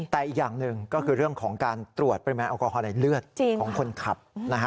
แต่อีกอย่างหนึ่งก็คือเรื่องของการตรวจปริมาณแอลกอฮอล์ในเลือดของคนขับ